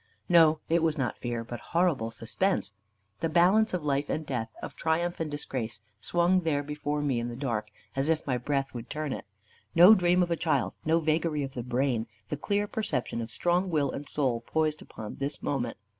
No, it was not fear, but horrible suspense. The balance of life and death, of triumph and disgrace, swung there before me in the dark, as if my breath would turn it. No dream of a child, no vagary of the brain the clear perception of strong will and soul poised upon this moment.